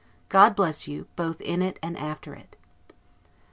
God bless you, both in it and after it!